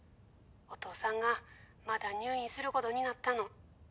お父さんがまた入院することになったの。